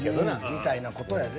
みたいな事やで。